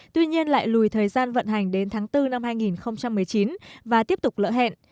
tuy nhiên lại lùi thời gian vận hành đến tháng bốn năm hai nghìn một mươi chín và tiếp tục lỡ hẹn